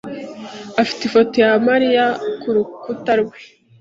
afite ifoto ya Mariya kurukuta rwe.